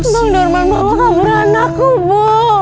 bang norman bawa kabur anakku bu